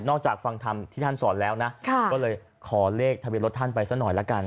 จากฟังธรรมที่ท่านสอนแล้วนะก็เลยขอเลขทะเบียนรถท่านไปซะหน่อยละกัน